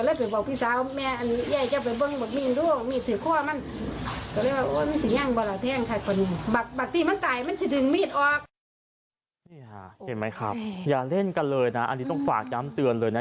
นี่เห็นไหมครับอย่าเล่นกันเลยนะอันนี้ต้องฝากย้ำเตือนเลยนะ